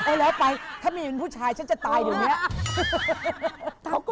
แล้วไปถ้ามีเป็นผู้ชายฉันจะตายเดี๋ยวนี้